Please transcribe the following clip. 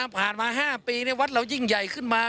ผ่านมา๕ปีวัดเรายิ่งใหญ่ขึ้นมา